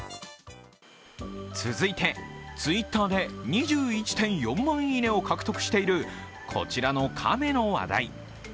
続いてＴｗｉｔｔｅｒで２１．４万いいねを獲得しているこちらのカメの話題。